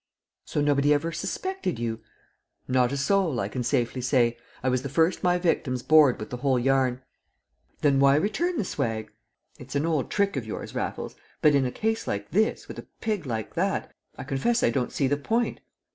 "So nobody ever suspected you?" "Not a soul, I can safely say; I was the first my victims bored with the whole yarn." "Then why return the swag? It's an old trick of yours, Raffles, but in a case like this, with a pig like that, I confess I don't see the point."